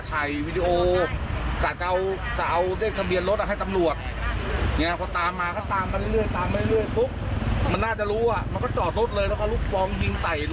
ถ้าเกิดติดต่างหากตำรวจก็โดนยิง